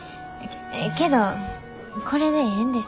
けどこれでええんです。